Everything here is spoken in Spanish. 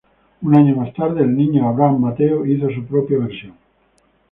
Un año más tarde el niño Abraham Mateo hizo su propia versión.